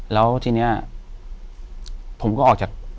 อยู่ที่แม่ศรีวิรัยิลครับ